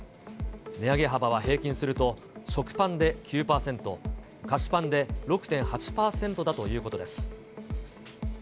値上げ幅は平均すると食パンで９％、菓子パンで６．８％だということです。